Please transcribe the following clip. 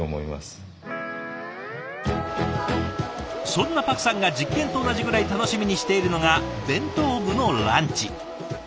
そんなパクさんが実験と同じぐらい楽しみにしているのが弁当部のランチ。